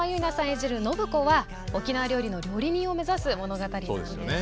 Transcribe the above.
演じる暢子は沖縄料理の料理人を目指す物語なんです。